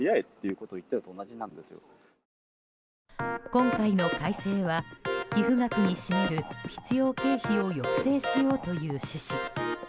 今回の改正は寄付額に占める必要経費を抑制しようという趣旨。